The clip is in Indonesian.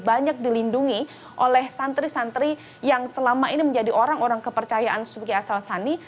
banyak dilindungi oleh santri santri yang selama ini menjadi orang orang kepercayaan sugiya asal sani